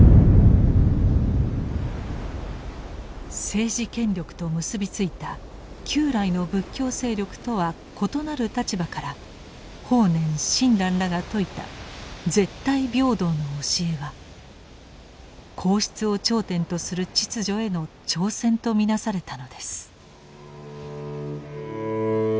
政治権力と結び付いた旧来の仏教勢力とは異なる立場から法然・親鸞らが説いた絶対平等の教えは皇室を頂点とする秩序への挑戦と見なされたのです。